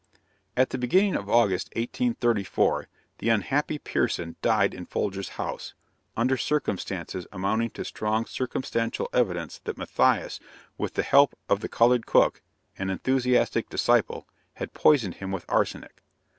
In the beginning of August, 1834, the unhappy Pierson died in Folger's house, under circumstances amounting to strong circumstantial evidence that Matthias, with the help of the colored cook, an enthusiastic disciple, had poisoned him with arsenic.